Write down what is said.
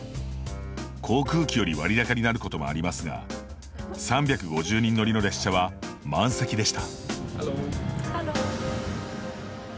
航空機より割高になることもありますが３５０人乗りの列車は満席でした。